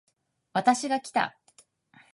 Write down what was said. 私がきた